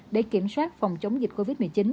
để kiểm soát phòng chống dịch covid một mươi chín